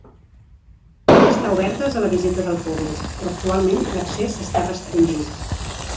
Van estar obertes a la visita del públic, però actualment l'accés està restringit.